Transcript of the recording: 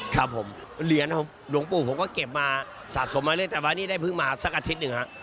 ครับผมเหรียญของหลวงปู่ผมก็เก็บมาสะสมมาเรื่อยแต่ว่านี่ได้เพิ่งมาสักอาทิตย์หนึ่งฮะ